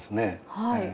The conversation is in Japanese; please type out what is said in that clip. はい。